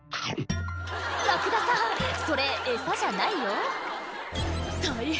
ラクダさんそれエサじゃないよ大変！